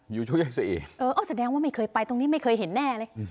อยู่ช่วงสี่เออแสดงว่าไม่เคยไปตรงนี้ไม่เคยเห็นแน่เลย